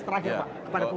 terakhir pak kepada publik